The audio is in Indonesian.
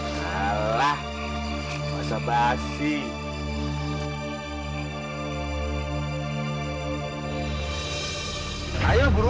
kalau sampai itu terjadi